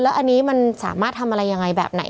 เพื่อไม่ให้เชื้อมันกระจายหรือว่าขยายตัวเพิ่มมากขึ้น